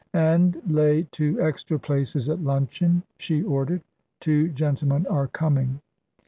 "And lay two extra places at luncheon," she ordered; "two gentlemen are coming."